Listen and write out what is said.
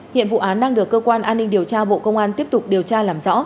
hiện vụ án đang được cơ quan an ninh điều tra bộ công an tiếp tục điều tra làm rõ